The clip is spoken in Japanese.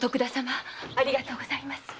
ありがとうございます。